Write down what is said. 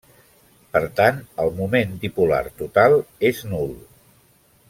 Per tant el moment dipolar total és nul.